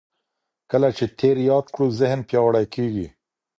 کله چې تېر یاد کړو ذهن پیاوړی کېږي.